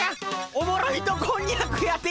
おもろ糸こんにゃくやて！